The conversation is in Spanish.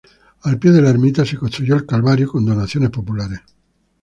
Al pie de la Ermita se construyó El Calvario con donaciones populares.